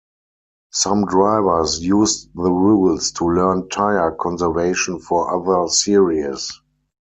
Some drivers used the rules to learn tire conservation for other series.